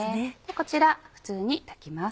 こちら普通に炊きます。